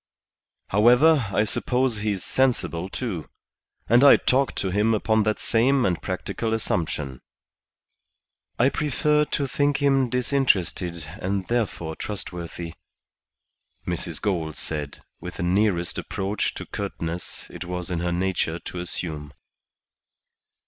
However, I suppose he's sensible, too. And I talked to him upon that sane and practical assumption." "I prefer to think him disinterested, and therefore trustworthy," Mrs. Gould said, with the nearest approach to curtness it was in her nature to assume.